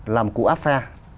là một cụ áp phe